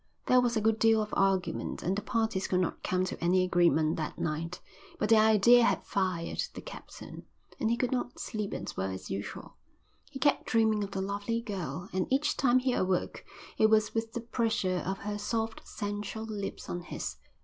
There was a good deal of argument and the parties could not come to any agreement that night, but the idea had fired the captain, and he could not sleep as well as usual. He kept dreaming of the lovely girl and each time he awoke it was with the pressure of her soft, sensual lips on his.